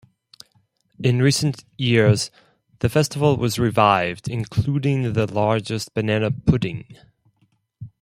In recent years, the festival was revived including the largest banana pudding.